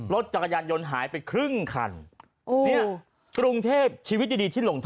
รถจักรยานยนต์หายไปครึ่งคันโอ้เนี่ยกรุงเทพชีวิตดีที่หลง